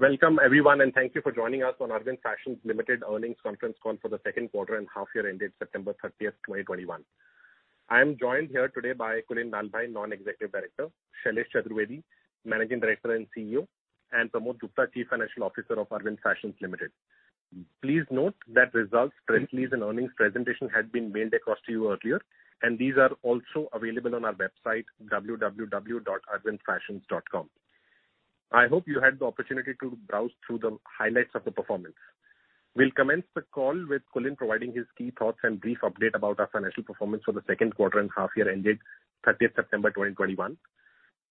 Welcome everyone, and thank you for joining us on Arvind Fashions Limited Earnings Conference Call for the second quarter and half year ended September 30, 2021. I am joined here today by Kulin Lalbhai, Non-Executive Director, Shailesh Chaturvedi, Managing Director and CEO, and Pramod Gupta, Chief Financial Officer of Arvind Fashions Limited. Please note that results, press release, and earnings presentation had been mailed across to you earlier, and these are also available on our website, www.arvindfashions.com. I hope you had the opportunity to browse through the highlights of the performance. We'll commence the call with Kulin providing his key thoughts and brief update about our financial performance for the second quarter and half year ended 30 September 2021.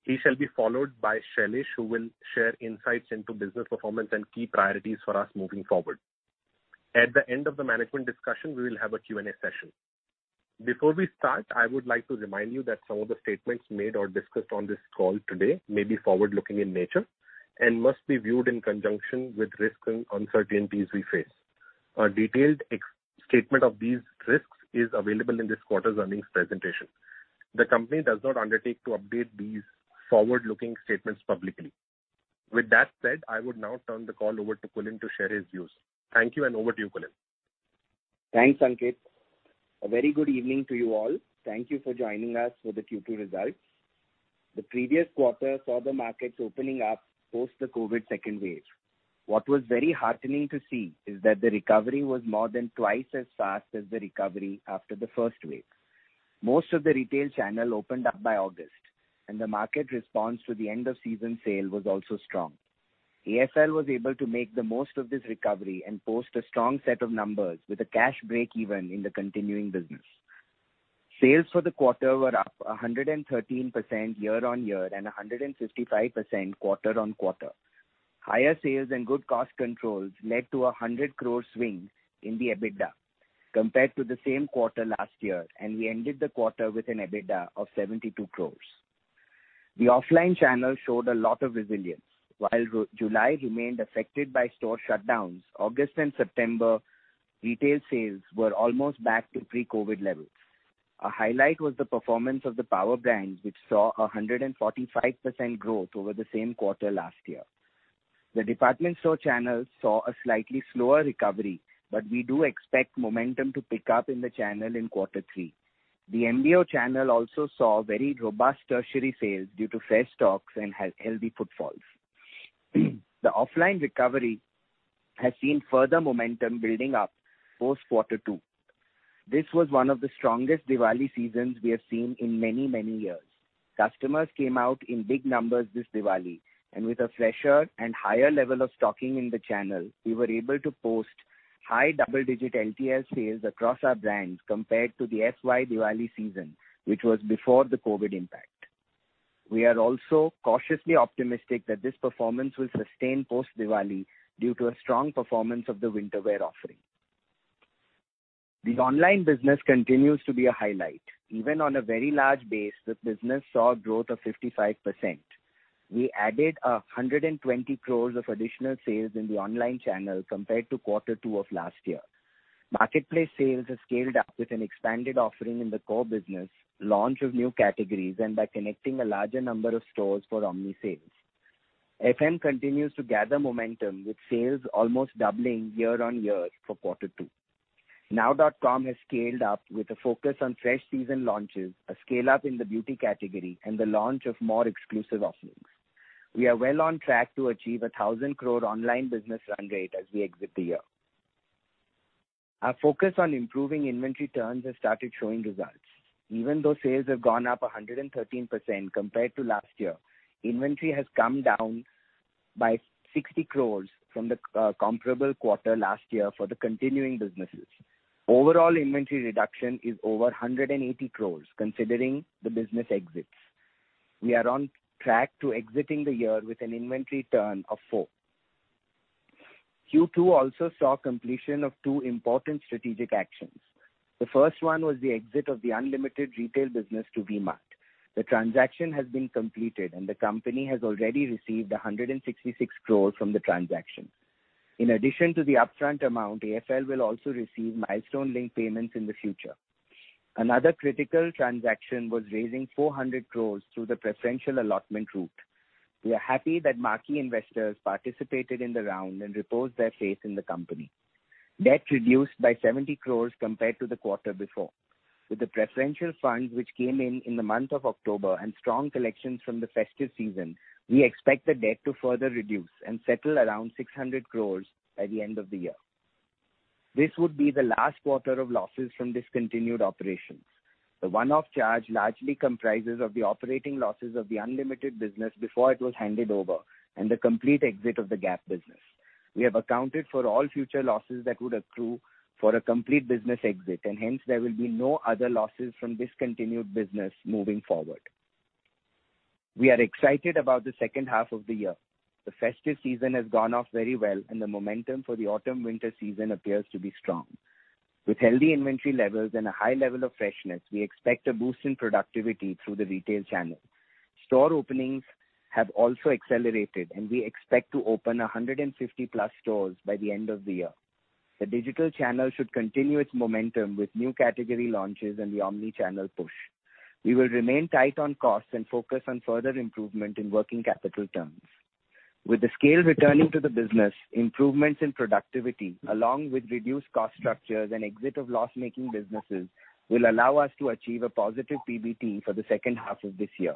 He shall be followed by Shailesh, who will share insights into business performance and key priorities for us moving forward. At the end of the management discussion, we will have a Q&A session. Before we start, I would like to remind you that some of the statements made or discussed on this call today may be forward-looking in nature and must be viewed in conjunction with risks and uncertainties we face. A detailed explanation of these risks is available in this quarter's earnings presentation. The company does not undertake to update these forward-looking statements publicly. With that said, I would now turn the call over to Kulin to share his views. Thank you, and over to you, Kulin. Thanks, Ankit. A very good evening to you all. Thank you for joining us for the Q2 results. The previous quarter saw the markets opening up post the COVID second wave. What was very heartening to see is that the recovery was more than twice as fast as the recovery after the first wave. Most of the retail channel opened up by August, and the market response to the end of season sale was also strong. AFL was able to make the most of this recovery and post a strong set of numbers with a cash breakeven in the continuing business. Sales for the quarter were up 113% year-on-year and 155% quarter-on-quarter. Higher sales and good cost controls led to a 100 crore swing in the EBITDA compared to the same quarter last year, and we ended the quarter with an EBITDA of 72 crores. The offline channel showed a lot of resilience. While July remained affected by store shutdowns, August and September retail sales were almost back to pre-COVID levels. A highlight was the performance of the power brands, which saw a 145% growth over the same quarter last year. The department store channel saw a slightly slower recovery, but we do expect momentum to pick up in the channel in quarter three. The MBO channel also saw very robust retail sales due to full stocks and healthy footfalls. The offline recovery has seen further momentum building up post quarter two. This was one of the strongest Diwali seasons we have seen in many, many years. Customers came out in big numbers this Diwali, and with a fresher and higher level of stocking in the channel, we were able to post high double-digit LTL sales across our brands compared to the FY Diwali season, which was before the COVID impact. We are also cautiously optimistic that this performance will sustain post-Diwali due to a strong performance of the winter wear offering. The online business continues to be a highlight. Even on a very large base, the business saw growth of 55%. We added 120 crores of additional sales in the online channel compared to quarter two of last year. Marketplace sales have scaled up with an expanded offering in the core business, launch of new categories, and by connecting a larger number of stores for omni-sales. FM continues to gather momentum, with sales almost doubling year-on-year for quarter two. Nnnow.com has scaled up with a focus on fresh season launches, a scale-up in the beauty category, and the launch of more exclusive offerings. We are well on track to achieve 1,000 crore online business run rate as we exit the year. Our focus on improving inventory turns has started showing results. Even though sales have gone up 113% compared to last year, inventory has come down by 60 crore from the comparable quarter last year for the continuing businesses. Overall inventory reduction is over 180 crore considering the business exits. We are on track to exiting the year with an inventory turn of 4. Q2 also saw completion of two important strategic actions. The first one was the exit of the Unlimited retail business to V-Mart. The transaction has been completed, and the company has already received 166 crore from the transaction. In addition to the upfront amount, AFL will also receive milestone-linked payments in the future. Another critical transaction was raising 400 crore through the preferential allotment route. We are happy that marquee investors participated in the round and reposed their faith in the company. Debt reduced by 70 crore compared to the quarter before. With the preferential funds which came in in the month of October and strong collections from the festive season, we expect the debt to further reduce and settle around 600 crore by the end of the year. This would be the last quarter of losses from discontinued operations. The one-off charge largely comprises of the operating losses of the Unlimited business before it was handed over and the complete exit of the Gap business. We have accounted for all future losses that would accrue for a complete business exit, and hence there will be no other losses from discontinued business moving forward. We are excited about the second half of the year. The festive season has gone off very well, and the momentum for the autumn/winter season appears to be strong. With healthy inventory levels and a high level of freshness, we expect a boost in productivity through the retail channel. Store openings have also accelerated, and we expect to open 150+ stores by the end of the year. The digital channel should continue its momentum with new category launches and the omni-channel push. We will remain tight on costs and focus on further improvement in working capital terms. With the scale returning to the business, improvements in productivity along with reduced cost structures and exit of loss-making businesses will allow us to achieve a positive PBT for the second half of this year.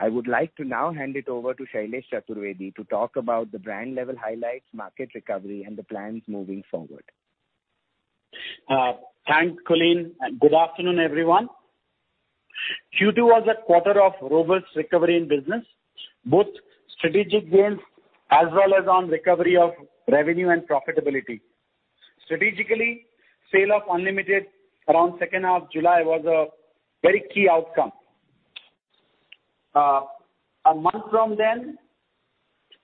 I would like to now hand it over to Shailesh Chaturvedi to talk about the brand level highlights, market recovery and the plans moving forward. Thanks, Kulin, and good afternoon, everyone. Q2 was a quarter of robust recovery in business, both strategic gains as well as on recovery of revenue and profitability. Strategically, sale of Unlimited around second half July was a very key outcome. A month from then,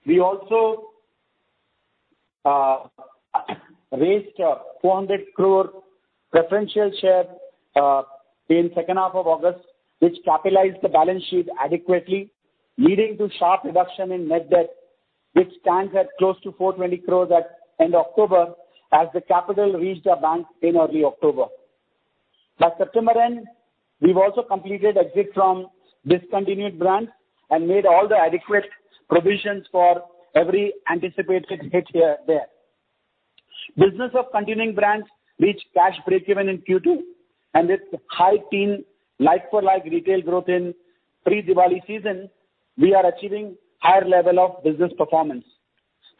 we also raised 400 crore preferential share in second half of August, which capitalized the balance sheet adequately, leading to sharp reduction in net debt, which stands at close to 420 crore at end October as the capital reached our bank in early October. By September end, we've also completed exit from discontinued brands and made all the adequate provisions for every anticipated hit here there. Business of continuing brands reached cash breakeven in Q2, and with high teen like-for-like retail growth in pre-Diwali season, we are achieving higher level of business performance.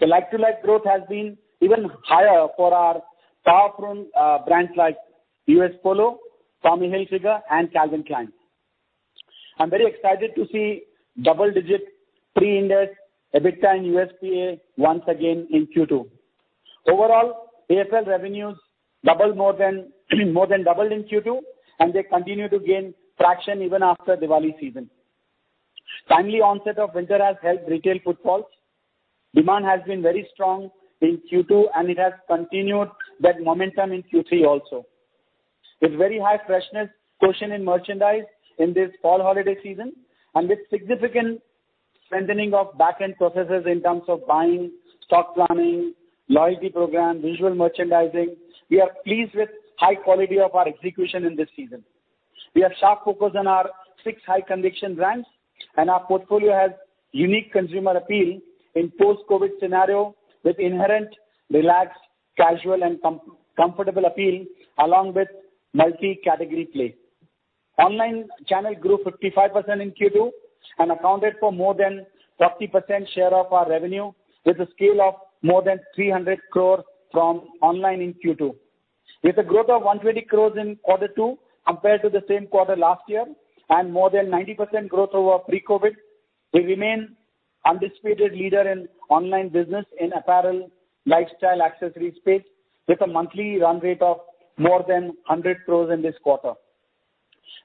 The like-for-like growth has been even higher for our top performing brands like U.S. Polo Assn., Tommy Hilfiger, and Calvin Klein. I'm very excited to see double-digit pre-Ind AS EBITDA and U.S. Polo Assn. once again in Q2. Overall, AFL revenues more than doubled in Q2, and they continue to gain traction even after Diwali season. Timely onset of winter has helped retail footfalls. Demand has been very strong in Q2, and it has continued that momentum in Q3 also. With very high freshness quotient in merchandise in this fall holiday season and with significant strengthening of back-end processes in terms of buying, stock planning, loyalty program, visual merchandising, we are pleased with high quality of our execution in this season. We are sharp focused on our six high conviction brands, and our portfolio has unique consumer appeal in post-COVID scenario with inherent relaxed, casual, and comfortable appeal along with multi-category play. Online channel grew 55% in Q2 and accounted for more than 30% share of our revenue with a scale of more than 300 crore from online in Q2. With a growth of 120 crore in quarter two compared to the same quarter last year and more than 90% growth over pre-COVID, we remain undisputed leader in online business in apparel lifestyle accessories space with a monthly run rate of more than 100 crore in this quarter.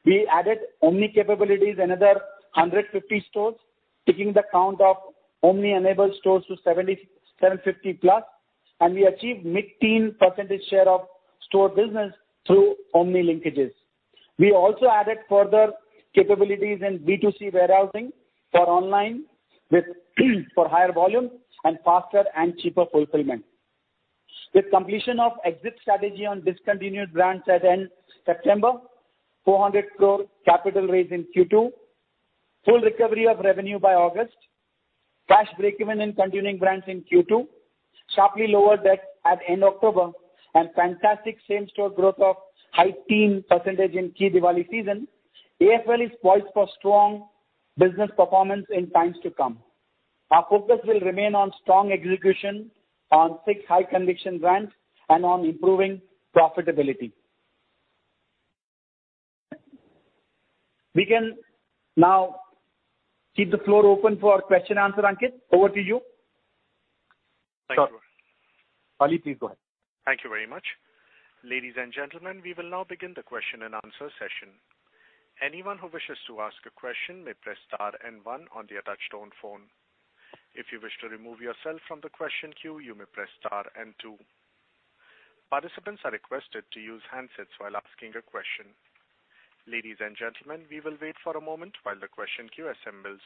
We added omni capabilities another 150 stores, taking the count of omni-enabled stores to 7,750+, and we achieved mid-teen % share of store business through omni linkages. We also added further capabilities in B2C warehousing for online with higher volume and faster and cheaper fulfillment. With completion of exit strategy on discontinued brands at end September, 400 crore capital raise in Q2, full recovery of revenue by August, cash breakeven in continuing brands in Q2, sharply lower debt at end October and fantastic same-store growth of high-teens % in key Diwali season, AFL is poised for strong business performance in times to come. Our focus will remain on strong execution on six high conviction brands and on improving profitability. We can now keep the floor open for Q&A, Ankit. Over to you. Thank you. Ali, please go ahead. Thank you very much. Ladies and gentlemen, we will now begin the question and answer session. Anyone who wishes to ask a question may press star and one on the touch-tone phone. If you wish to remove yourself from the question queue, you may press star and two. Participants are requested to use handsets while asking a question. Ladies and gentlemen, we will wait for a moment while the question queue assembles.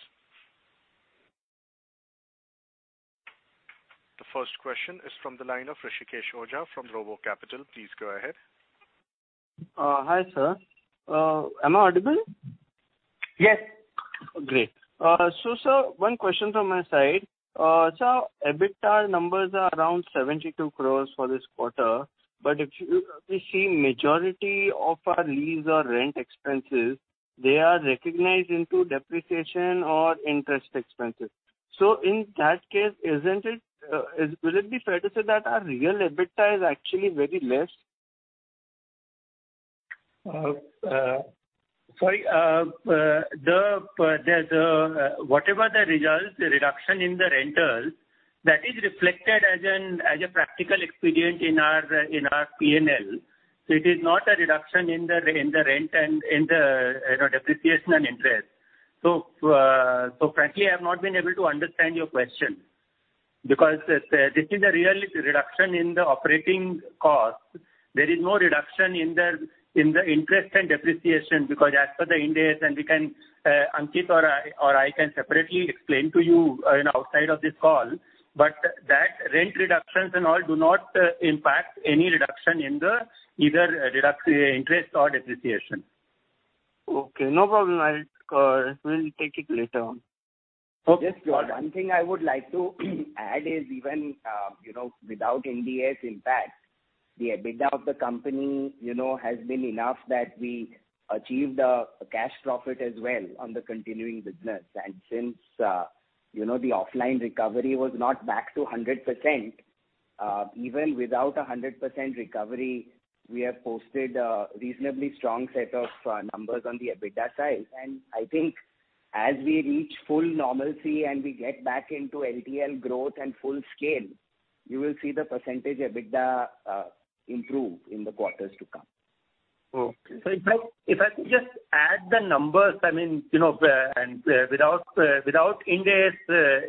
The first question is from the line of Rishikesh Ojha from Elara Capital. Please go ahead. Hi, sir. Am I audible? Yes. Great. Sir, one question from my side. Sir, EBITDA numbers are around 72 crores for this quarter, but we see majority of our lease or rent expenses, they are recognized into depreciation or interest expenses. In that case, isn't it will it be fair to say that our real EBITDA is actually very less? Sorry. The, whatever the result, the reduction in the rentals, that is reflected as a practical expedience in our P&L. It is not a reduction in the rent and in the, you know, depreciation and interest. Frankly, I've not been able to understand your question because this is a real reduction in the operating costs. There is no reduction in the interest and depreciation because as per the Ind AS and we can, Ankit or I can separately explain to you know, outside of this call, but that rent reductions and all do not impact any reduction in the either debt, interest or depreciation. Okay, no problem. I'll call. We'll take it later on. Just one thing I would like to add is even, you know, without Ind AS impact, the EBITDA of the company, you know, has been enough that we achieved the cash profit as well on the continuing business. Since, you know, the offline recovery was not back to 100%, even without a 100% recovery, we have posted a reasonably strong set of, numbers on the EBITDA side. I think as we reach full normalcy and we get back into LTL growth and full scale, you will see the percentage EBITDA, improve in the quarters to come. Okay. If I could just add the numbers, I mean, you know, and without Ind AS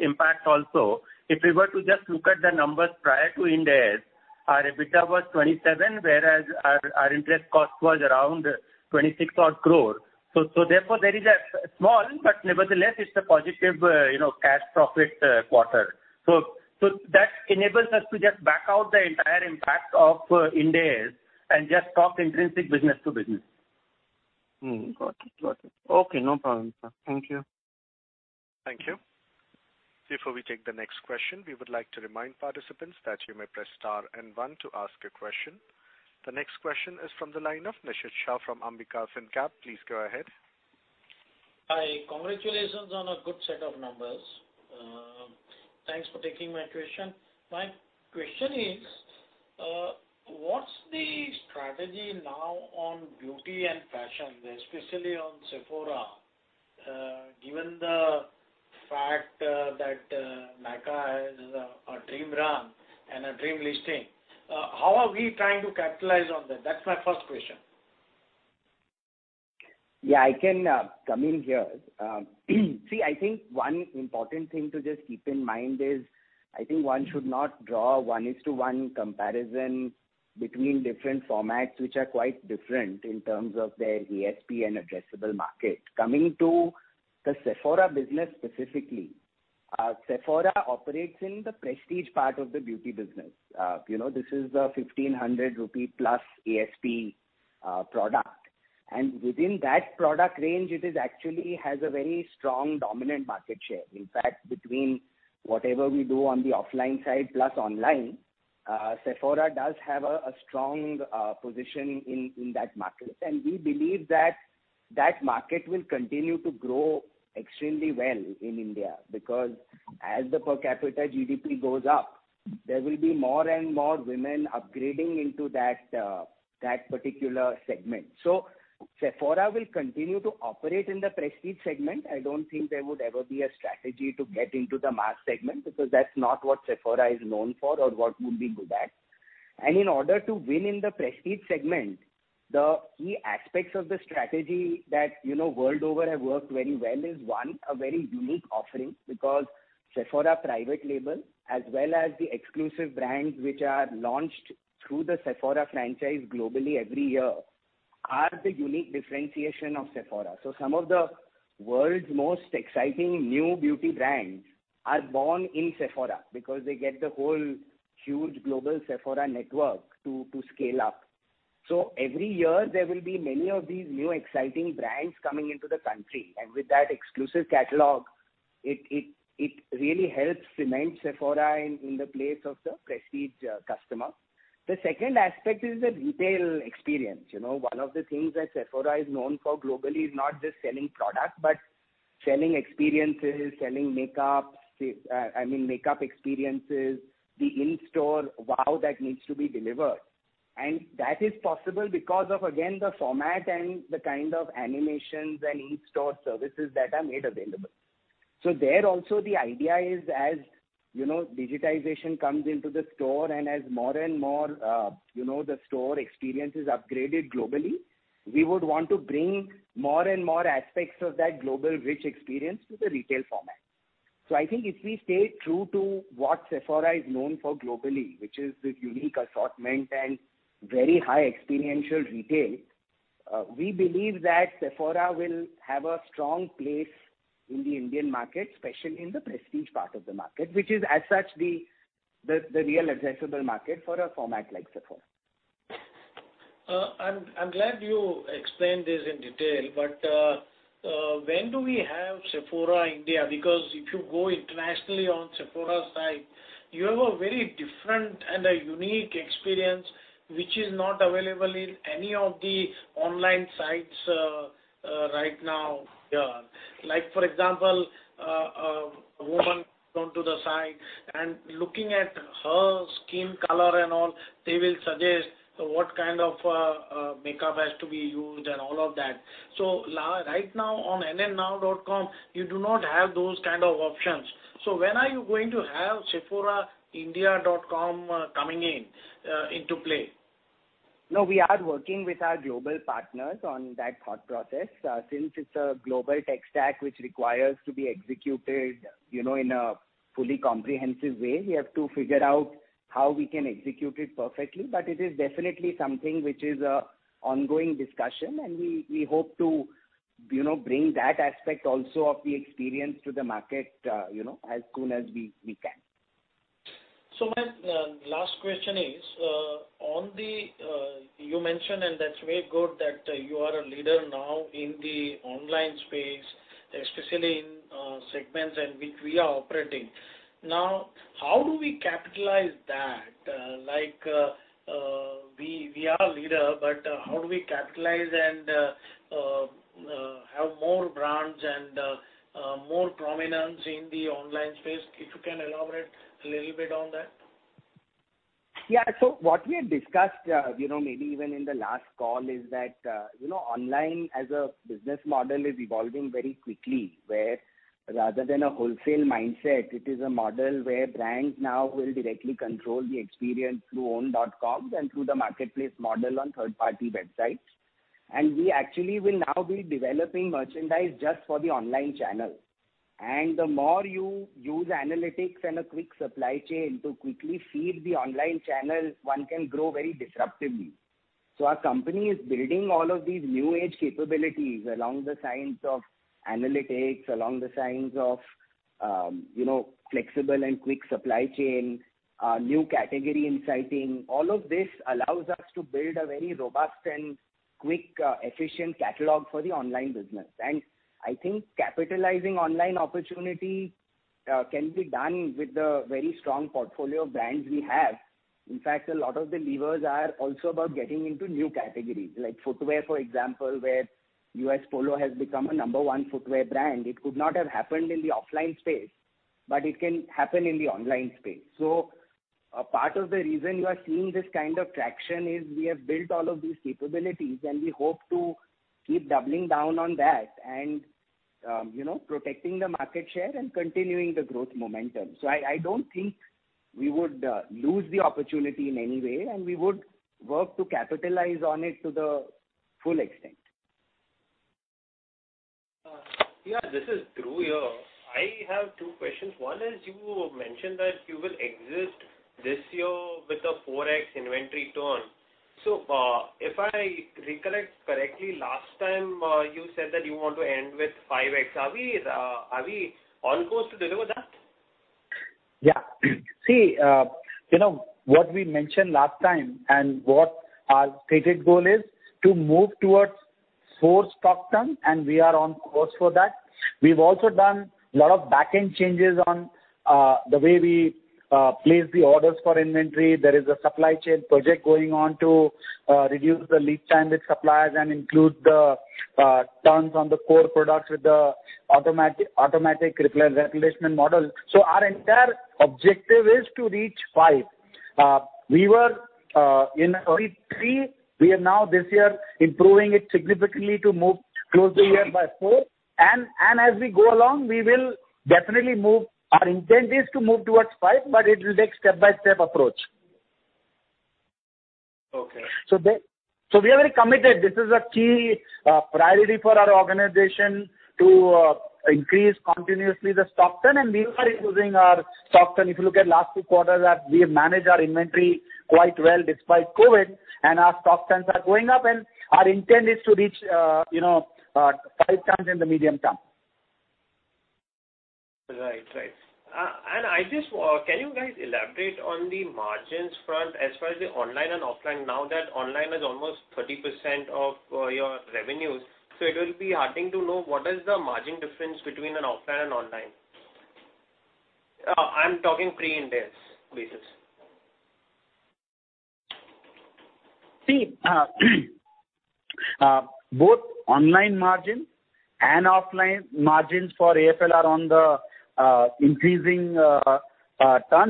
impact also, if we were to just look at the numbers prior to Ind AS, our EBITDA was 27 crore, whereas our interest cost was around 26 odd crore. Therefore there is a small, but nevertheless it's a positive cash profit quarter. That enables us to just back out the entire impact of Ind AS and just talk intrinsic business to business. Got it. Okay. No problem, sir. Thank you. Thank you. Before we take the next question, we would like to remind participants that you may press star and one to ask a question. The next question is from the line of Nishid Shah from Ambika Fincap. Please go ahead. Hi. Congratulations on a good set of numbers. Thanks for taking my question. My question is, what's the strategy now on beauty and fashion, especially on Sephora, given the fact that Nykaa has a dream run and a dream listing, how are we trying to capitalize on that? That's my first question. Yeah, I can come in here. See, I think one important thing to just keep in mind is one should not draw one-to-one comparison between different formats which are quite different in terms of their ASP and addressable market. Coming to the Sephora business specifically, Sephora operates in the prestige part of the beauty business. You know, this is a 1,500+ rupee ASP product. And within that product range, it actually has a very strong dominant market share. In fact, between whatever we do on the offline side plus online, Sephora does have a strong position in that market. And we believe that that market will continue to grow extremely well in India because as the per capita GDP goes up, there will be more and more women upgrading into that particular segment. Sephora will continue to operate in the prestige segment. I don't think there would ever be a strategy to get into the mass segment, because that's not what Sephora is known for or why would we do that. In order to win in the prestige segment, the key aspects of the strategy that, you know, world over have worked very well is one, a very unique offering, because Sephora private label as well as the exclusive brands which are launched through the Sephora franchise globally every year are the unique differentiation of Sephora. Some of the world's most exciting new beauty brands are born in Sephora because they get the whole huge global Sephora network to scale up. Every year there will be many of these new exciting brands coming into the country. With that exclusive catalog, it really helps cement Sephora in the place of the prestige customer. The second aspect is the retail experience. You know, one of the things that Sephora is known for globally is not just selling products, but selling experiences, selling makeups, I mean makeup experiences, the in-store wow that needs to be delivered. That is possible because of again, the format and the kind of animations and in-store services that are made available. There also the idea is, as you know, digitization comes into the store and as more and more, you know, the store experience is upgraded globally, we would want to bring more and more aspects of that global rich experience to the retail format. I think if we stay true to what Sephora is known for globally, which is this unique assortment and very high experiential retail, we believe that Sephora will have a strong place in the Indian market, especially in the prestige part of the market, which is as such the real addressable market for a format like Sephora. I'm glad you explained this in detail, but when do we have Sephora India? Because if you go internationally on Sephora site, you have a very different and a unique experience which is not available in any of the online sites right now. Like for example, a woman go onto the site and looking at her skin color and all, they will suggest what kind of makeup has to be used and all of that. Right now on nnnow.com, you do not have those kind of options. When are you going to have sephoraindia.com coming in into play? No, we are working with our global partners on that thought process. Since it's a global tech stack which requires to be executed, you know, in a fully comprehensive way, we have to figure out how we can execute it perfectly. It is definitely something which is a ongoing discussion and we hope to, you know, bring that aspect also of the experience to the market, you know, as soon as we can. My last question is on what you mentioned, and that's very good that you are a leader now in the online space, especially in segments in which we are operating. Now, how do we capitalize that? Like, we are a leader, but how do we capitalize and have more brands and more prominence in the online space? If you can elaborate a little bit on that. Yeah. What we had discussed, you know, maybe even in the last call is that, you know, online as a business model is evolving very quickly, where rather than a wholesale mindset, it is a model where brands now will directly control the experience through own dotcoms and through the marketplace model on third-party websites. We actually will now be developing merchandise just for the online channel. The more you use analytics and a quick supply chain to quickly feed the online channel, one can grow very disruptively. Our company is building all of these new age capabilities along the lines of analytics, along the lines of, you know, flexible and quick supply chain, new category insights. All of this allows us to build a very robust and quick, efficient catalog for the online business. I think capitalizing online opportunity can be done with the very strong portfolio of brands we have. In fact, a lot of the levers are also about getting into new categories like footwear, for example, where U.S. Polo has become a number one footwear brand. It could not have happened in the offline space, but it can happen in the online space. A part of the reason you are seeing this kind of traction is we have built all of these capabilities, and we hope to keep doubling down on that and you know, protecting the market share and continuing the growth momentum. I don't think we would lose the opportunity in any way, and we would work to capitalize on it to the full extent. Yeah, this is Dhruv here. I have two questions. One is, you mentioned that you will exit this year with a 4x inventory turn. If I recollect correctly, last time, you said that you want to end with 5x. Are we on course to deliver that? See, you know what we mentioned last time and what our stated goal is to move towards 4 stock turn, and we are on course for that. We've also done a lot of back-end changes on the way we place the orders for inventory. There is a supply chain project going on to reduce the lead time with suppliers and include the turns on the core products with the automatic replenishment model. Our entire objective is to reach 5. Sorry, we were in 3. We are now this year improving it significantly to close the year by 4. As we go along, we will definitely move. Our intent is to move towards 5, but it will take step-by-step approach. Okay. We are very committed. This is a key priority for our organization to increase continuously the stock turn, and we are improving our stock turn. If you look at last two quarters that we have managed our inventory quite well despite COVID and our stock turns are going up and our intent is to reach five turns in the medium term. I just can you guys elaborate on the margins front as far as the online and offline, now that online is almost 30% of your revenues, so it will be heartening to know what is the margin difference between an offline and online. I'm talking pre-Ind AS basis. See, both online margin and offline margins for AFL are on the upturn.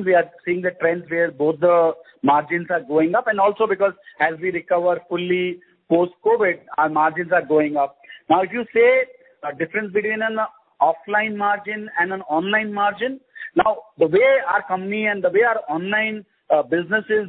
We are seeing the trends where both the margins are going up and also because as we recover fully post-COVID, our margins are going up. Now, if you say a difference between an offline margin and an online margin, now the way our company and the way our online business is,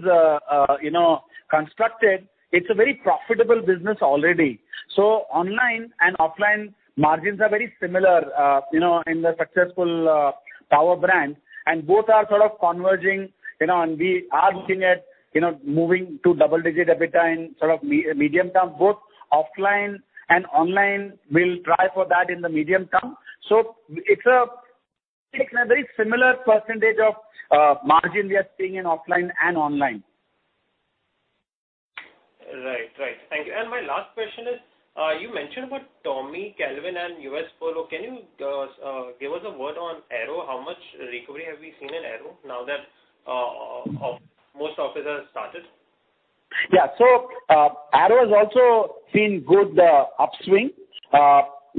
you know, constructed, it's a very profitable business already. So online and offline margins are very similar, you know, in the successful power brand, and both are sort of converging, you know, and we are looking at, you know, moving to double-digit EBITDA in sort of medium term, both offline and online. We'll try for that in the medium term. It's a very similar percentage of margin we are seeing in offline and online. Right. Thank you. My last question is, you mentioned about Tommy, Calvin and U.S. Polo. Can you give us a word on Arrow? How much recovery have we seen in Arrow now that most offices have started? Yeah. Arrow has also seen good upswing.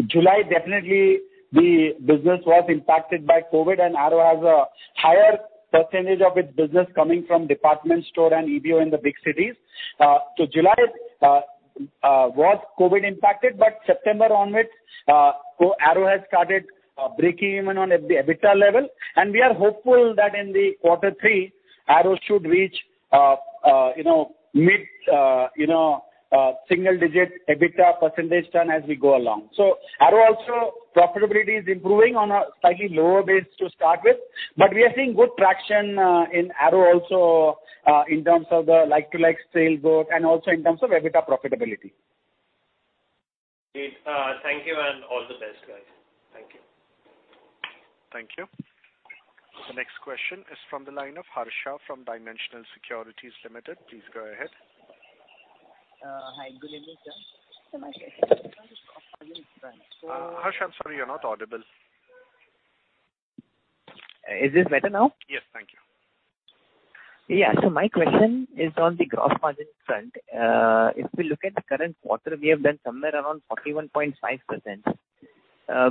July, definitely the business was impacted by COVID, and Arrow has a higher percentage of its business coming from department store and EBO in the big cities. July was COVID impacted, but September onwards, Arrow has started breaking even on the EBITDA level, and we are hopeful that in the quarter three, Arrow should reach, you know, mid single digit EBITDA percentage turn as we go along. Arrow also profitability is improving on a slightly lower base to start with, but we are seeing good traction in Arrow also in terms of the like-for-like sales growth and also in terms of EBITDA profitability. Great. Thank you and all the best guys. Thank you. Thank you. The next question is from the line of Harsh from Dimensional Securities Limited. Please go ahead. Hi, good evening, sir. Harsh, I'm sorry, you're not audible. Is this better now? Yes, thank you. Yeah. My question is on the gross margin front. If we look at the current quarter, we have done somewhere around 41.5%,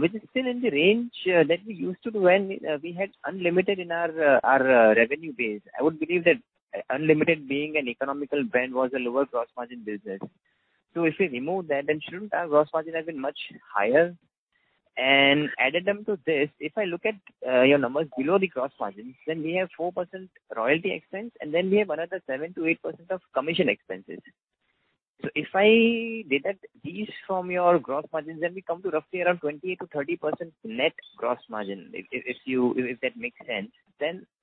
which is still in the range that we used to do when we had Unlimited in our revenue base. I would believe that Unlimited being an economical brand was a lower gross margin business. If we remove that, then shouldn't our gross margin have been much higher? In addition to this, if I look at your numbers below the gross margins, then we have 4% royalty expense, and then we have another 7%-8% of commission expenses. If I deduct these from your gross margins, then we come to roughly around 20%-30% net gross margin, if that makes sense.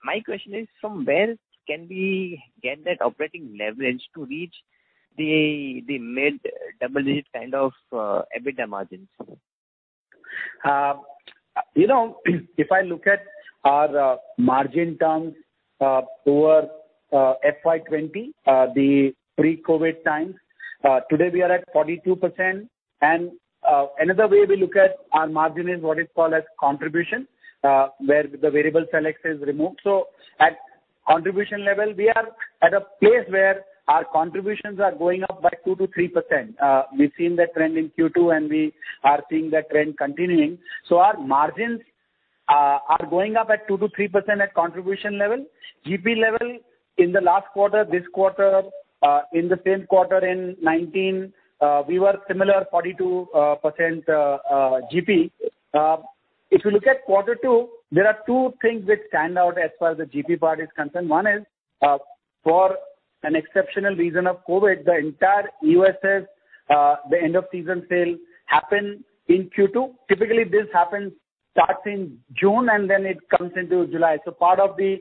My question is, from where can we get that operating leverage to reach the mid-double-digit kind of EBITDA margins? You know, if I look at our margins toward FY 2020, the pre-COVID times, today we are at 42%. Another way we look at our margin is what is called as contribution, where the variable costs is removed. At contribution level, we are at a place where our contributions are going up by 2-3%. We've seen that trend in Q2, and we are seeing that trend continuing. Our margins are going up at 2-3% at contribution level. GP level in the last quarter, this quarter, in the same quarter in 2019, we were similar 42% GP. If you look at Q2, there are two things which stand out as far as the GP part is concerned. One is, for an exceptional reason of COVID, the entire EOSS, the end of season sale happened in Q2. Typically this happens, starts in June, and then it comes into July. Part of the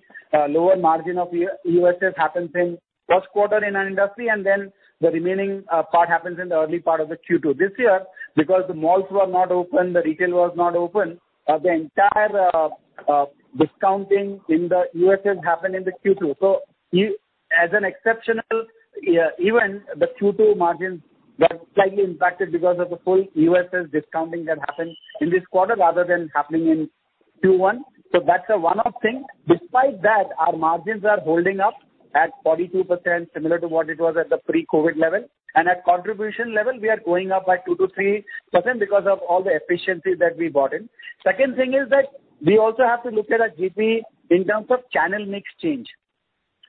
lower margin of the EOSS happens in first quarter in our industry, and then the remaining part happens in the early part of the Q2. This year, because the malls were not open, the retail was not open, the entire discounting in the EOSS happened in the Q2. As an exceptional event, the Q2 margins got slightly impacted because of the full EOSS discounting that happened in this quarter rather than happening in Q1. That's a one-off thing. Despite that, our margins are holding up at 42%, similar to what it was at the pre-COVID level. At contribution level we are going up by 2%-3% because of all the efficiencies that we brought in. Second thing is that we also have to look at our GP in terms of channel mix change.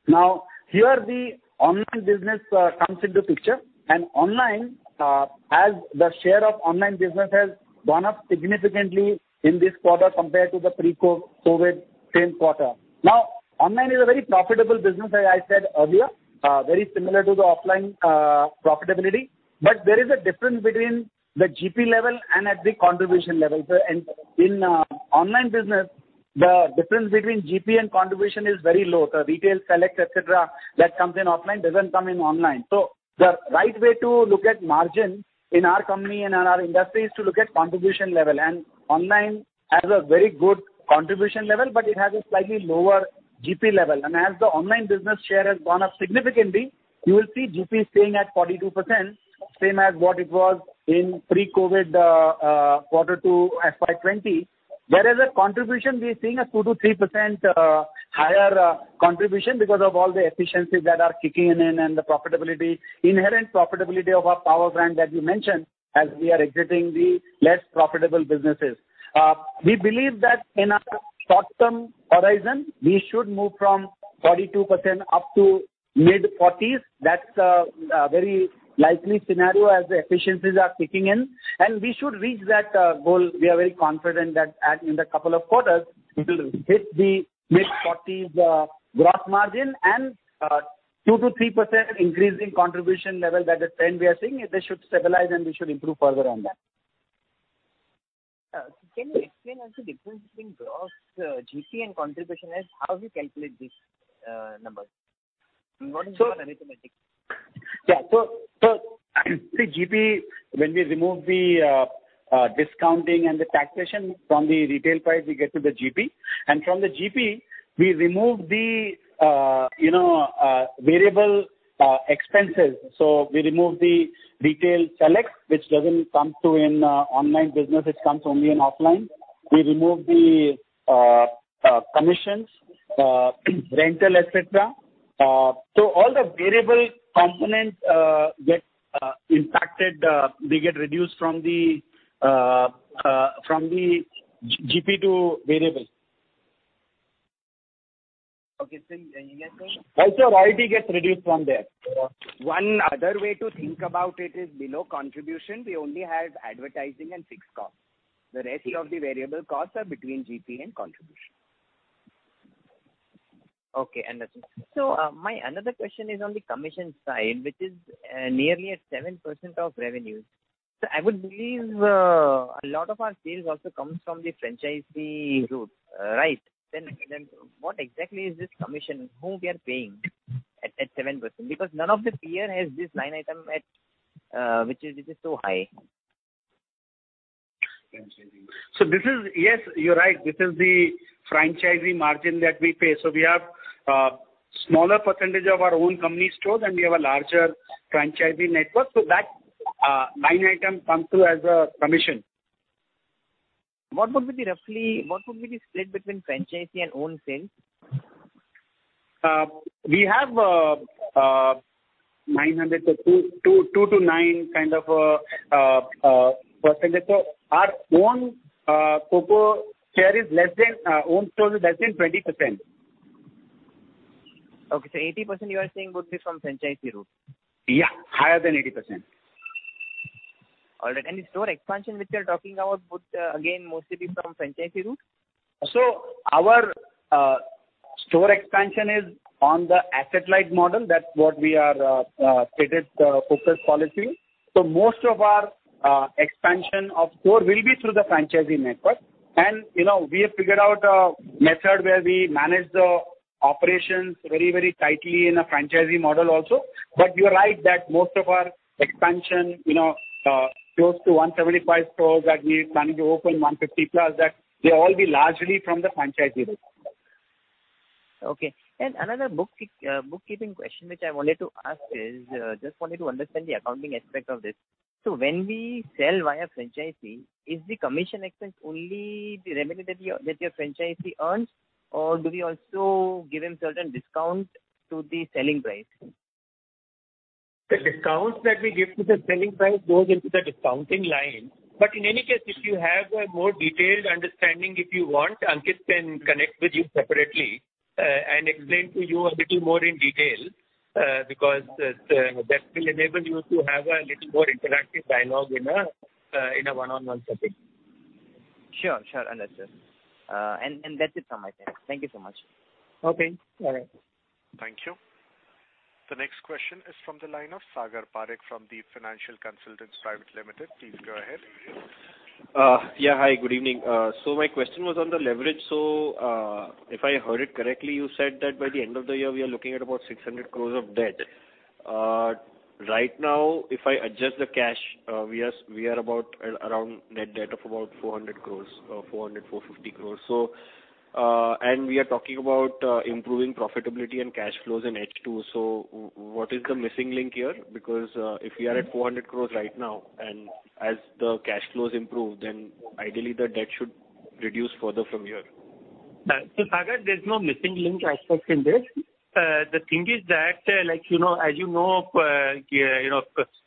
Now, here the online business comes into picture, and online, as the share of online business has gone up significantly in this quarter compared to the pre-COVID same quarter. Now, online is a very profitable business, as I said earlier, very similar to the offline profitability. But there is a difference between the GP level and at the contribution level. In online business, the difference between GP and contribution is very low. The retail select, et cetera, that comes in offline doesn't come in online. The right way to look at margin in our company and in our industry is to look at contribution level. Online has a very good contribution level, but it has a slightly lower GP level. As the online business share has gone up significantly, you will see GP staying at 42%, same as what it was in pre-COVID quarter two FY 2020. Whereas at contribution, we are seeing a 2%-3% higher contribution because of all the efficiencies that are kicking in and the profitability, inherent profitability of our power brand that we mentioned as we are exiting the less profitable businesses. We believe that in our short-term horizon, we should move from 42% up to mid-40s. That's a very likely scenario as the efficiencies are kicking in, and we should reach that goal. We are very confident that in the couple of quarters we will hit the mid-40s% gross margin and 2%-3% increase in contribution level. That is trend we are seeing. They should stabilize, and we should improve further on that. Can you explain also difference between gross GP and contribution? How do you calculate these numbers? What is the mathematics? Yeah. The GP, when we remove the discounting and the taxation from the retail price, we get to the GP. From the GP, we remove you know variable expenses. We remove the retail select, which doesn't come through in online business. It comes only in offline. We remove the commissions, rental, et cetera. All the variable components get impacted. They get reduced from the GP to variable. Okay. Still, can you explain? Also royalty gets reduced from there. One other way to think about it is below contribution. We only have advertising and fixed costs. The rest of the variable costs are between GP and contribution. Okay, understood. My another question is on the commission side, which is nearly at 7% of revenue. I would believe a lot of our sales also comes from the franchisee route, right? What exactly is this commission? Whom we are paying? At 7%, because none of the peer has this line item at, which is so high. Yes, you're right. This is the franchisee margin that we pay. We have smaller percentage of our own company stores and we have a larger franchisee network, so that line item comes through as a commission. What would be the split between franchisee and own sales? We have 900, so 2-9 kind of percentage. Our own COCO share is less than own stores is less than 20%. Okay. 80% you are saying would be from franchisee route? Yeah, higher than 80%. All right. The store expansion which you're talking about would, again, mostly be from franchisee route? Our store expansion is on the asset-light model. That's what we stated, our focused policy. Most of our store expansion will be through the franchisee network. You know, we have figured out a method where we manage the operations very, very tightly in a franchisee model also. You're right that most of our expansion, you know, close to 175 stores that we're planning to open, 150 plus, that they all be largely from the franchisee route. Okay. Another bookkeeping question which I wanted to ask is just wanted to understand the accounting aspect of this. When we sell via franchisee, is the commission expense only the revenue that your franchisee earns, or do we also give him certain discounts to the selling price? The discounts that we give to the selling price goes into the discounting line. In any case, if you have a more detailed understanding, if you want, Ankit can connect with you separately, and explain to you a little more in detail, because that will enable you to have a little more interactive dialogue in a one-on-one setting. Sure. Understood. That's it from my side. Thank you so much. Okay. All right. Thank you. The next question is from the line of Sagar Parekh from the Financial Consultants Private Limited. Please go ahead. Hi, good evening. My question was on the leverage. If I heard it correctly, you said that by the end of the year we are looking at about 600 crores of debt. Right now, if I adjust the cash, we are about at around net debt of about 400-450 crores. We are talking about improving profitability and cash flows in H2. What is the missing link here? Because if we are at 400 crores right now, and as the cash flows improve, then ideally the debt should reduce further from here. Sagar, there's no missing link aspect in this. The thing is that, like, you know, as you know, you know,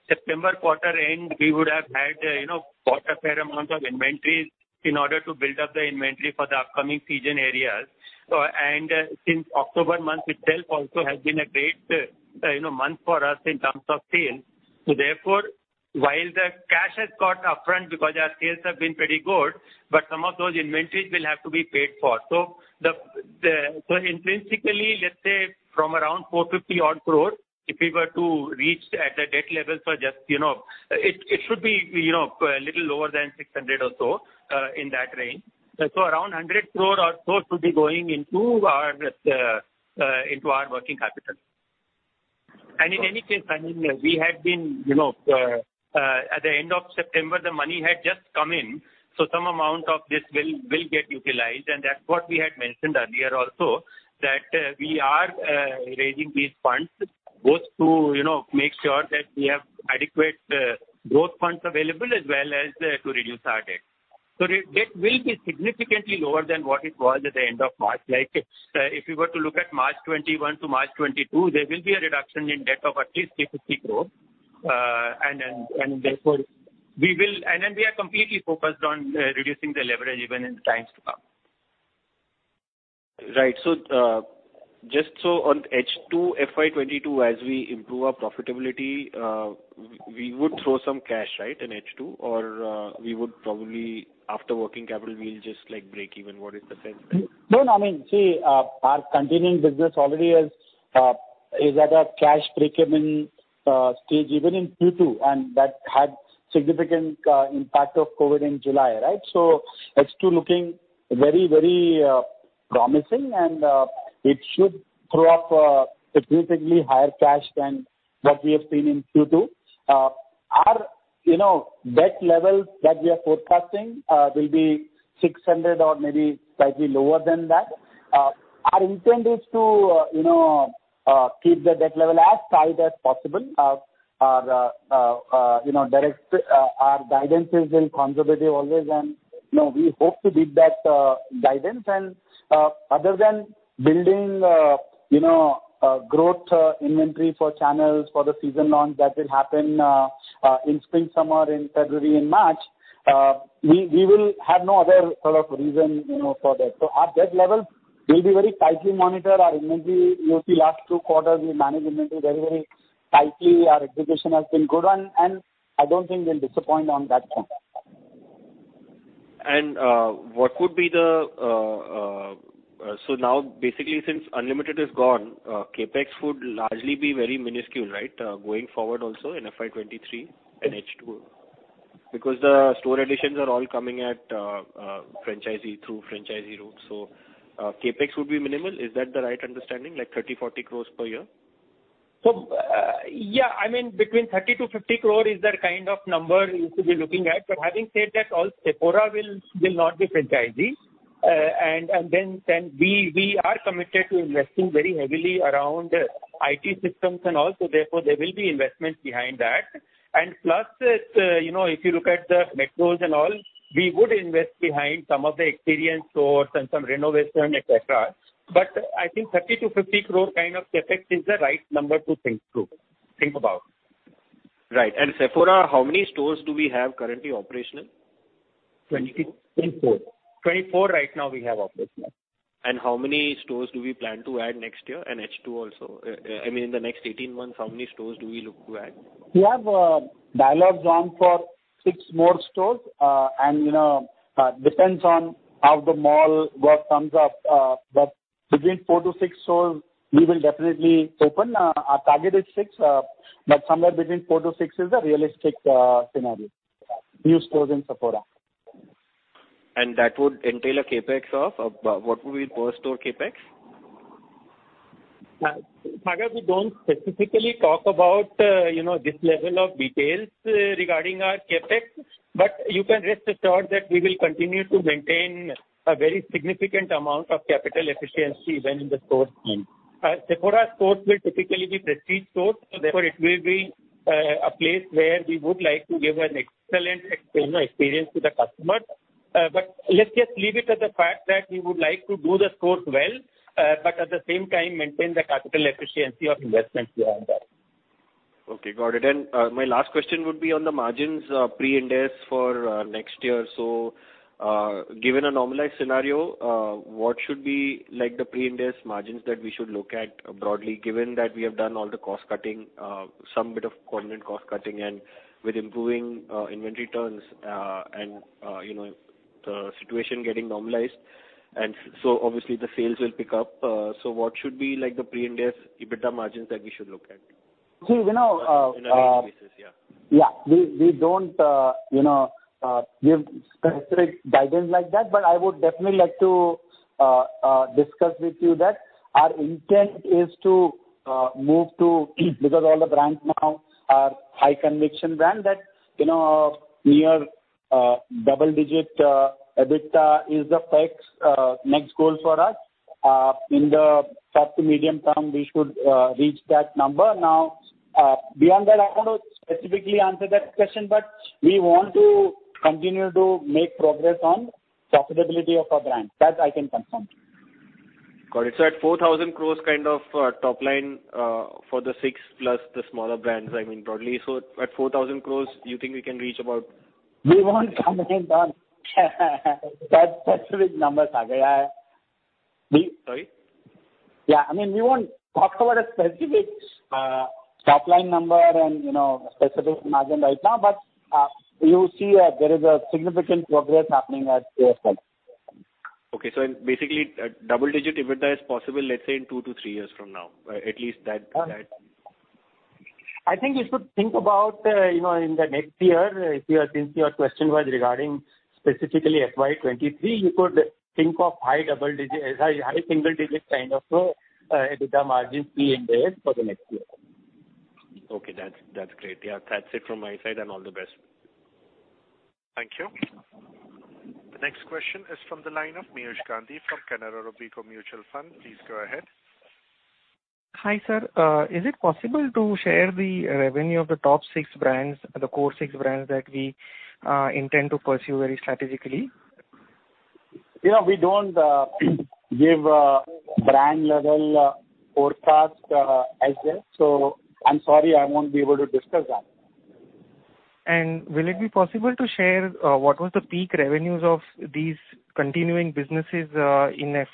September quarter end, we would have had, you know, bought a fair amount of inventories in order to build up the inventory for the upcoming season areas. And since October month itself also has been a great, you know, month for us in terms of sales. Therefore, while the cash has got upfront because our sales have been pretty good, but some of those inventories will have to be paid for. Intrinsically, let's say, from around 450 odd crores, if we were to reach at the debt levels for just, you know, it should be, you know, a little lower than 600 or so, in that range. Around 100 crore or so should be going into our working capital. In any case, I mean, we had been, you know, at the end of September, the money had just come in, so some amount of this will get utilized, and that's what we had mentioned earlier also, that we are raising these funds both to, you know, make sure that we have adequate growth funds available as well as to reduce our debt. Debt will be significantly lower than what it was at the end of March. Like if you were to look at March 2021 to March 2022, there will be a reduction in debt of at least 350 crore. We will. We are completely focused on reducing the leverage even in the times to come. Just so on H2 FY 2022, as we improve our profitability, we would throw some cash, right, in H2 or, we would probably after working capital we'll just like break even. What is the sense there? No, I mean, see, our continuing business already is at a cash breakeven stage even in Q2, and that had significant impact of COVID in July, right? H2 looking very, very promising and it should throw up significantly higher cash than what we have seen in Q2. Our you know debt levels that we are forecasting will be 600 or maybe slightly lower than that. Our intent is to you know keep the debt level as tight as possible. Our guidance has been conservative always and you know we hope to beat that guidance. Other than building, you know, growth inventory for channels for the season launch that will happen in spring summer, in February and March, we will have no other sort of reason, you know, for that. Our debt levels will be very tightly monitored. Our inventory, you'll see last two quarters we managed inventory very, very tightly. Our execution has been good and I don't think we'll disappoint on that front. Now basically since Unlimited is gone, CapEx would largely be very minuscule, right? Going forward also in FY 2023 and H2 because the store additions are all coming through franchisee route, so CapEx would be minimal. Is that the right understanding, like 30 crores-40 crores per year? I mean, between 30 crore-50 crore is the kind of number you should be looking at. Having said that, all Sephora will not be franchisee. And then we are committed to investing very heavily around IT systems and all, so therefore there will be investments behind that. Plus, you know, if you look at the macros and all, we would invest behind some of the experience stores and some renovation, et cetera. I think 30 crore-50 crore kind of CapEx is the right number to think about. Right. Sephora, how many stores do we have currently operational? 24 right now we have operational. How many stores do we plan to add next year and H2 also? I mean, in the next 18 months, how many stores do we look to add? We have dialogues on for six more stores. You know, depends on how the mall work comes up. Between 4-6 stores we will definitely open. Our target is 6, but somewhere between 4-6 is the realistic scenario. New stores in Sephora. That would entail a CapEx of? What will be per store CapEx? Sagar, we don't specifically talk about, you know, this level of details regarding our CapEx. You can rest assured that we will continue to maintain a very significant amount of capital efficiency when the stores open. Sephora stores will typically be prestige stores, so therefore it will be a place where we would like to give an excellent you know, experience to the customers. Let's just leave it at the fact that we would like to do the stores well, but at the same time maintain the capital efficiency of investments behind that. Okay, got it. My last question would be on the margins, pre-Ind AS for next year. Given a normalized scenario, what should be like the pre-Ind AS margins that we should look at broadly, given that we have done all the cost cutting, some bit of permanent cost cutting and with improving inventory turns, and you know, the situation getting normalized. So obviously the sales will pick up. What should be like the pre-Ind AS EBITDA margins that we should look at? See, you know, On an annual basis, yeah. Yeah. We don't, you know, give specific guidance like that, but I would definitely like to discuss with you that our intent is to move to because all the brands now are high conviction brand that, you know, near double-digit EBITDA is the next goal for us. In the short to medium term, we should reach that number. Now, beyond that, I cannot specifically answer that question, but we want to continue to make progress on profitability of our brands. That I can confirm. Got it. At 4,000 crores kind of top line for the six plus the smaller brands, I mean, broadly. At 4,000 crores you think we can reach about. We won't comment on that specific numbers, Sagar. Sorry? Yeah. I mean, we won't talk about a specific, top-line number and, you know, specific margin right now. You see, there is a significant progress happening at AFL. Okay. Basically a double-digit EBITDA is possible, let's say in 2-3 years from now, at least that. I think you should think about, you know, in the next year, since your question was regarding specifically FY 2023, you could think of high single-digit kind of EBITDA margins pre and post for the next year. Okay, that's great. Yeah. That's it from my side, and all the best. Thank you. The next question is from the line of Miyush Gandhi from Canara Robeco Mutual Fund. Please go ahead. Hi, sir. Is it possible to share the revenue of the top six brands, the core six brands that we intend to pursue very strategically? You know, we don't give brand-level forecast as such. I'm sorry, I won't be able to discuss that. Will it be possible to share what was the peak revenues of these continuing businesses in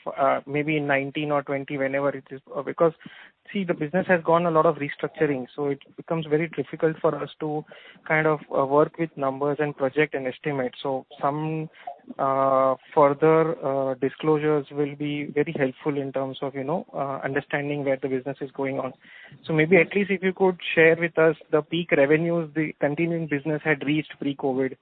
maybe in 2019 or 2020, whenever it is? Because, see, the business has gone a lot of restructuring, so it becomes very difficult for us to kind of work with numbers and project an estimate. So some further disclosures will be very helpful in terms of, you know, understanding where the business is going on. So maybe at least if you could share with us the peak revenues the continuing business had reached pre-COVID.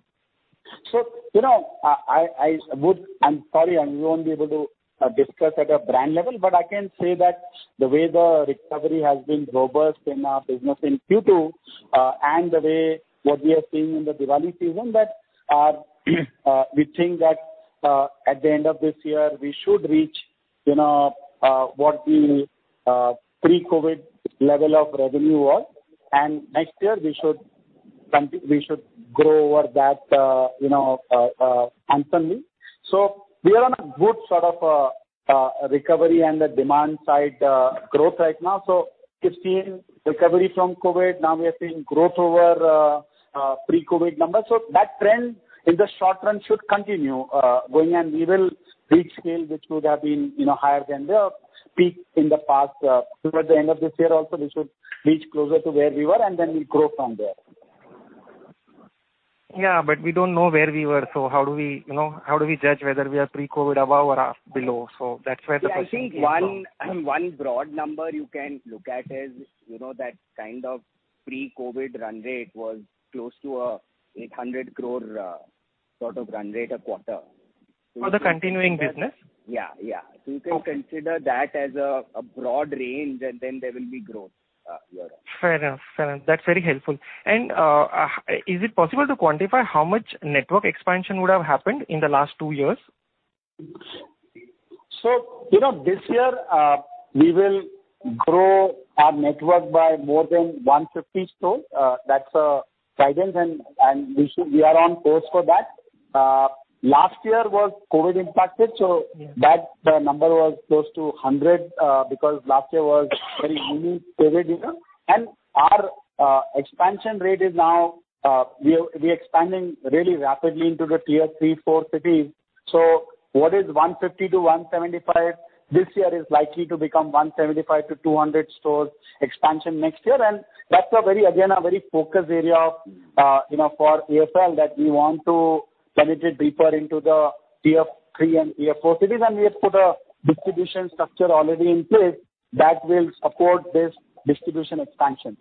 You know, I would. I'm sorry, I won't be able to discuss at a brand level, but I can say that the way the recovery has been robust in our business in Q2, and the way what we are seeing in the Diwali season that, we think that, at the end of this year, we should reach, you know, what the pre-COVID level of revenue was. Next year we should grow over that, you know, substantially. We are on a good sort of recovery and the demand side growth right now. We've seen recovery from COVID, now we are seeing growth over pre-COVID numbers. That trend in the short run should continue going, and we will reach scale which would have been, you know, higher than the peak in the past. Towards the end of this year also, we should reach closer to where we were, and then we'll grow from there. Yeah, we don't know where we were, so how do we, you know, how do we judge whether we are pre-COVID above or below? That's where the question came from. Yeah, I think one broad number you can look at is, you know, that kind of pre-COVID run rate was close to 800 crore sort of run rate a quarter. For the continuing business? Yeah, yeah. Okay. You can consider that as a broad range, and then there will be growth year-on-year. Fair enough. That's very helpful. Is it possible to quantify how much network expansion would have happened in the last two years? You know, this year we will grow our network by more than 150 stores. That's guidance and we are on course for that. Last year was COVID impacted, so- Yeah that number was close to 100, because last year was very uneven period, you know. Our expansion rate is now we expanding really rapidly into the tier three, four cities. What is 150 to 175 this year is likely to become 175 to 200 stores expansion next year. That's a very, again, a very focused area of, you know, for AFL that we want to penetrate deeper into the tier three and tier four cities. We have put a distribution structure already in place that will support this distribution expansion.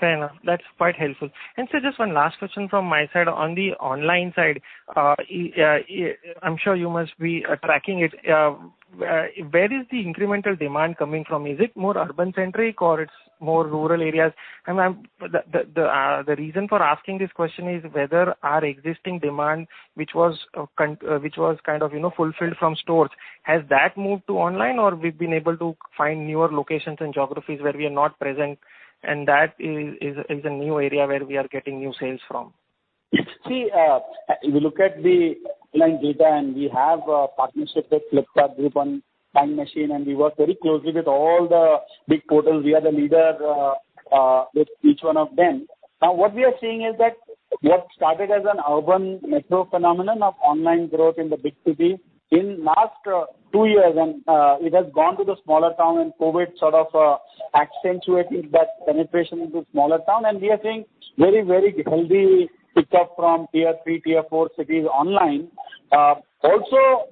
Fair enough. That's quite helpful. Sir, just one last question from my side on the online side. I'm sure you must be tracking it. Where is the incremental demand coming from? Is it more urban centric or it's more rural areas? The reason for asking this question is whether our existing demand, which was kind of, you know, fulfilled from stores, has that moved to online? Or we've been able to find newer locations and geographies where we are not present, and that is a new area where we are getting new sales from? If we look at the online data, and we have a partnership with Flipkart Group on Flying Machine, and we work very closely with all the big portals. We are the leader with each one of them. Now, what we are seeing is that what started as an urban metro phenomenon of online growth in the big cities, in last two years and it has gone to the smaller town and COVID sort of accentuated that penetration into smaller town. We are seeing very, very healthy pickup from tier three, tier four cities online. Also,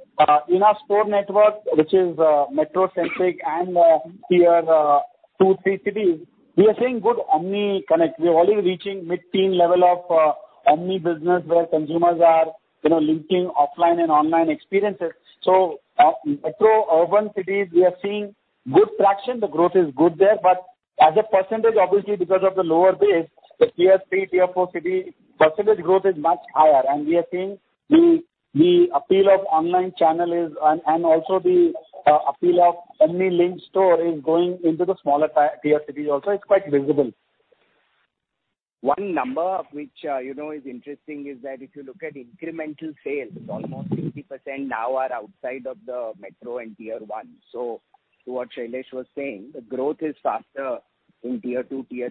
in our store network, which is metro centric and tier two, three cities, we are seeing good omni connect. We're only reaching mid-teen level of omni business where consumers are, you know, linking offline and online experiences. Metro urban cities, we are seeing good traction. The growth is good there. As a percentage, obviously because of the lower base, the tier three, tier four city percentage growth is much higher. We are seeing the appeal of online channel and also the appeal of omnichannel store is going into the smaller tier cities also. It's quite visible. One number which, you know, is interesting is that if you look at incremental sales, almost 60% now are outside of the metro and tier one. To what Shailesh was saying, the growth is faster in tier two, tier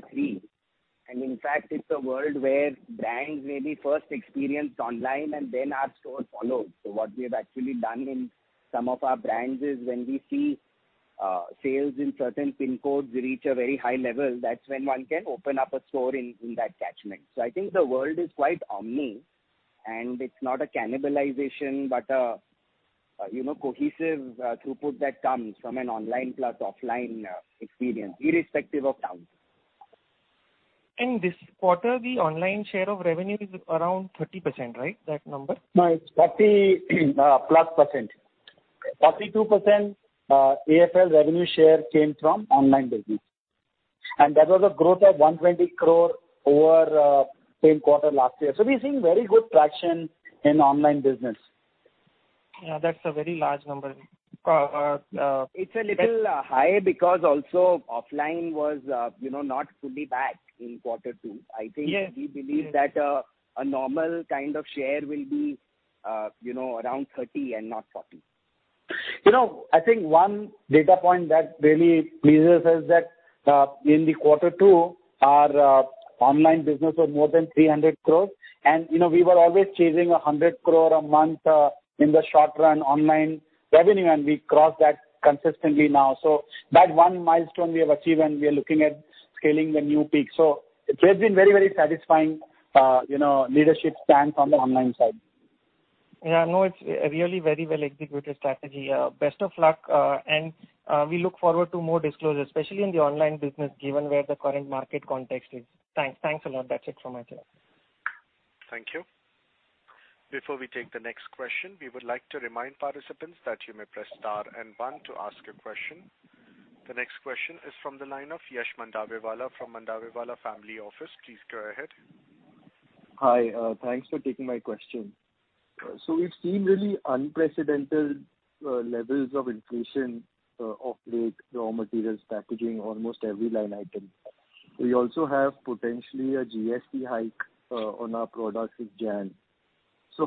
three. In fact, it's a world where brands maybe first experience online and then our stores follow. What we have actually done in some of our brands is when we see sales in certain pin codes reach a very high level, that's when one can open up a store in that catchment. I think the world is quite omni, and it's not a cannibalization but a you know, cohesive throughput that comes from an online plus offline experience irrespective of town. In this quarter, the online share of revenue is around 30%, right? That number. No, it's 40+%. 42% AFL revenue share came from online business, and that was a growth of 120 crore over same quarter last year. We're seeing very good traction in online business. Yeah, that's a very large number. It's a little high because also offline was, you know, not fully back in quarter two. Yes. I think we believe that a normal kind of share will be, you know, around 30 and not 40. You know, I think one data point that really pleases us is that, in quarter two, our online business was more than 300 crore. You know, we were always chasing 100 crore a month in the short run online revenue, and we crossed that consistently now. That one milestone we have achieved, and we are looking at scaling the new peak. It has been very, very satisfying, you know, leadership standpoint from the online side. Yeah, no, it's a really very well executed strategy. Best of luck, and we look forward to more disclosures, especially in the online business, given where the current market context is. Thanks. Thanks a lot. That's it from my side. Thank you. Before we take the next question, we would like to remind participants that you may press star and one to ask a question. The next question is from the line of Yash Mandrewala from Mandrewala Family Office. Please go ahead. Hi. Thanks for taking my question. We've seen really unprecedented levels of inflation of late, raw materials, packaging, almost every line item. We also have potentially a GST hike on our products in January.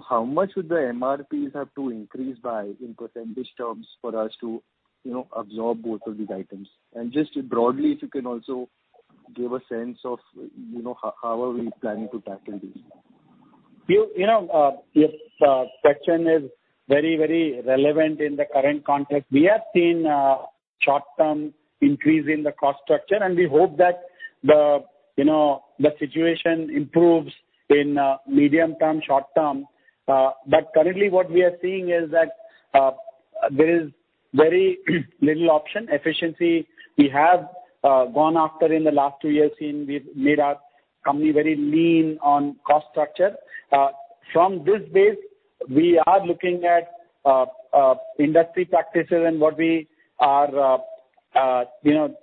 How much would the MRPs have to increase by in percentage terms for us to absorb both of these items? Just broadly, if you can also give a sense of how we are planning to tackle this? You know, Yash, question is very, very relevant in the current context. We have seen a short-term increase in the cost structure, and we hope that the, you know, the situation improves in medium term, short term. Currently what we are seeing is that there is very little option. Efficiency, we have gone after in the last two years since we've made our company very lean on cost structure. From this base, we are looking at industry practices and what we are, you know,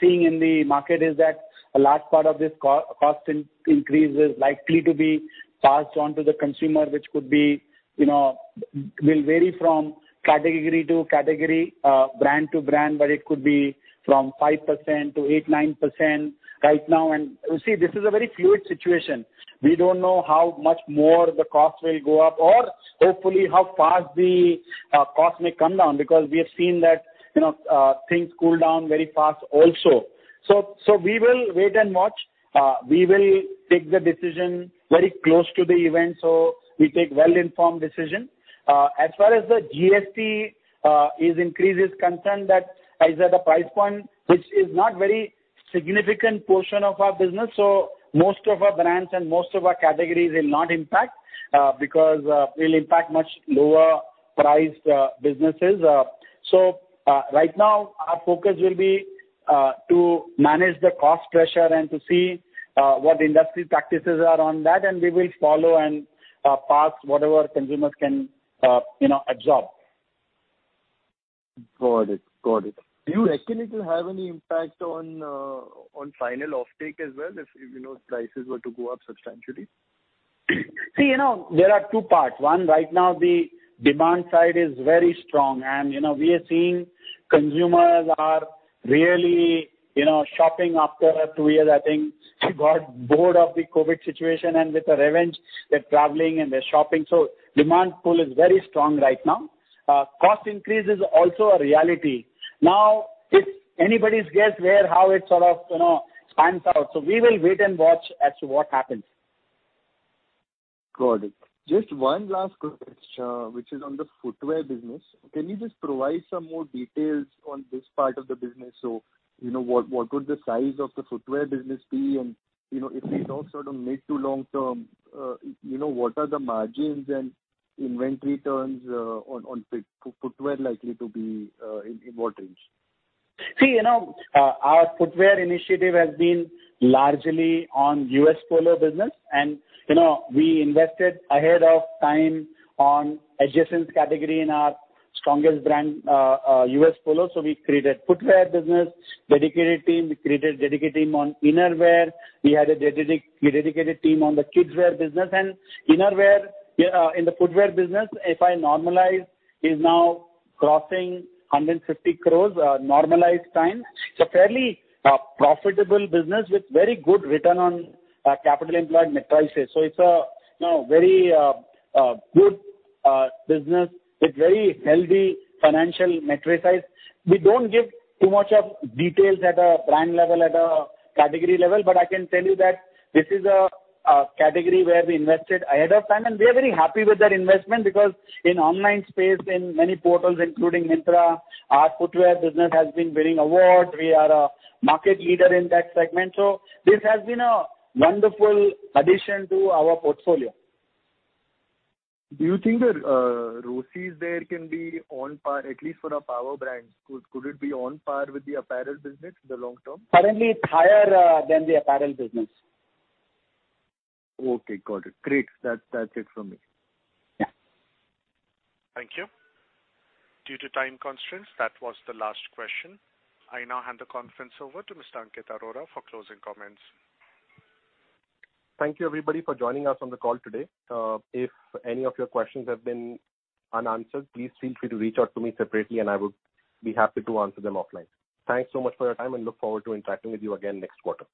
seeing in the market is that a large part of this cost increase is likely to be passed on to the consumer, which could be, you know. It will vary from category to category, brand to brand, but it could be from 5% to 8-9% right now. You see, this is a very fluid situation. We don't know how much more the cost will go up or hopefully how fast the cost may come down because we have seen that, you know, things cool down very fast also. So we will wait and watch. We will take the decision very close to the event, so we take well-informed decision. As far as the GST is increase is concerned, that is at a price point which is not very significant portion of our business. So most of our brands and most of our categories will not impact, because it will impact much lower priced businesses. Right now our focus will be to manage the cost pressure and to see what industry practices are on that, and we will follow and pass whatever consumers can, you know, absorb. Got it. Yes. Do you reckon it'll have any impact on final offtake as well if, you know, prices were to go up substantially? See, you know, there are two parts. One, right now the demand side is very strong and, you know, we are seeing consumers are really, you know, shopping after two years. I think they got bored of the COVID situation and with a revenge, they're traveling and they're shopping. Demand pool is very strong right now. Cost increase is also a reality. Now, it's anybody's guess where how it sort of, you know, spans out. We will wait and watch as to what happens. Got it. Just one last question, which is on the footwear business. Can you just provide some more details on this part of the business? So, you know, what would the size of the footwear business be? And, you know, if we look sort of mid to long term, you know, what are the margins and inventory turns on footwear likely to be in what range? See, you know, our footwear initiative has been largely on U.S. Polo Assn. business. You know, we invested ahead of time on adjacent category in our strongest brand, U.S. Polo Assn. We created footwear business, dedicated team. We created dedicated team on Innerwear. We had a dedicated team on the Kidswear business. Innerwear in the footwear business, if I normalize, is now crossing 150 crores, normalized time. It's a fairly profitable business with very good return on capital employed metrics. It's a, you know, very good business with very healthy financial metrics. We don't give too much of details at a brand level, at a category level, but I can tell you that this is a category where we invested ahead of time, and we are very happy with that investment because in online space, in many portals, including Myntra, our footwear business has been winning awards. We are a market leader in that segment. This has been a wonderful addition to our portfolio. Do you think the ROCEs there, at least for the power brands, could it be on par with the apparel business in the long term? Currently, it's higher than the apparel business. Okay. Got it. Great. That's it from me. Yeah. Thank you. Due to time constraints, that was the last question. I now hand the conference over to Mr. Ankit Arora for closing comments. Thank you, everybody, for joining us on the call today. If any of your questions have been unanswered, please feel free to reach out to me separately, and I would be happy to answer them offline. Thanks so much for your time, and look forward to interacting with you again next quarter.